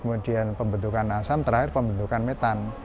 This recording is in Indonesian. kemudian pembentukan asam terakhir pembentukan metan